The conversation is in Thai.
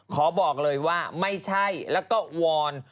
ขอบอกเลยว่าไม่ใช่แล้วก็วอน